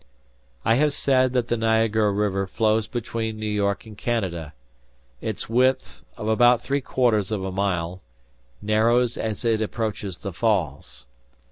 I have said that the Niagara River flows between New York and Canada. Its width, of about three quarters of a mile, narrows as it approaches the falls.